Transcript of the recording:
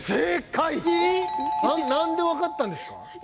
何でわかったんですか？